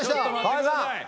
河井さん